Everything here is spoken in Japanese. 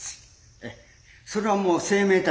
それはもう生命体